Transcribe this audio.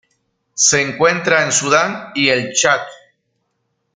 Se encuentra en Sudán y el Chad.